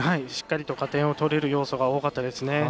しっかりと加点を取れる要素が多かったですね。